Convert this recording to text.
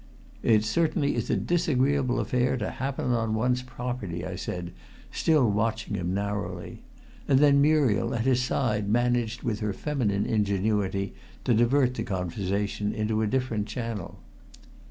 "It certainly is a disagreeable affair to happen on one's property." I said, still watching him narrowly. And then Muriel at his side managed with her feminine ingenuity to divert the conversation into a different channel.